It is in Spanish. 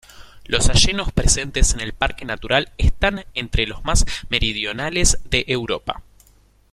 Los hayedos presentes en el parque natural están entre los más meridionales de Europa.